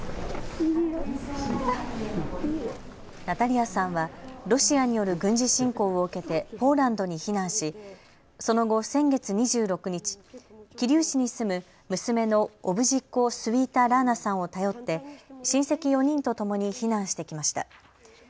ナタリヤさんはロシアによる軍事侵攻を受けてポーランドに避難しその後、先月２６日、桐生市に住む娘のオジブコ・スウィータ・ラーナさんを頼って、親戚４人とともに避難してきました。